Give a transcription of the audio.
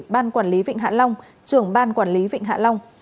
ban quản lý vịnh hạ long trưởng ban quản lý vịnh hạ long